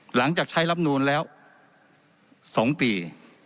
หลังจากใช้รับนูลแล้ว๒ปี